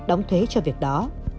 đóng thuế cho việc đó